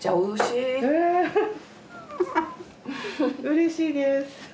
うれしいです！